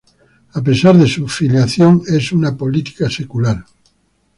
A pesar de su filiación, es una política secular.